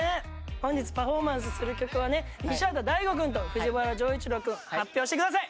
本日パフォーマンスする曲はね西畑大吾くんと藤原丈一郎くん発表して下さい。